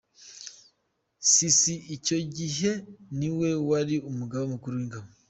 Sisi icyo gihe niwe wari umugaba mukuru w’ingabo.